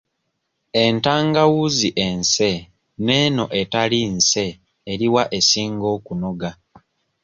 Entangawuuzi ense n'eno etali nse eriwa esinga okunoga?